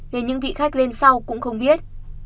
nên những vị khách lên sau cũng không biết